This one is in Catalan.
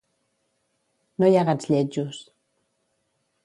No hi ha gats lletjos.